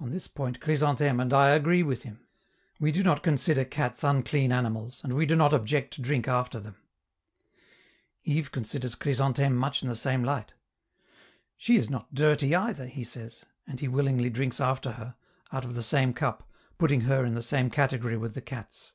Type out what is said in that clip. On this point Chrysantheme and I agree with him: we do not consider cats unclean animals, and we do not object to drink after them. Yves considers Chrysantheme much in the same light. "She is not dirty, either," he says; and he willingly drinks after her, out of the same cup, putting her in the same category with the cats.